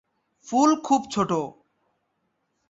ফুল খুব ছোট।